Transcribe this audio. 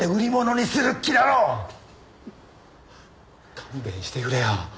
勘弁してくれよ。